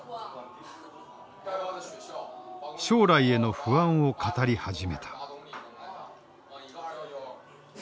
将来への不安を語り始めた。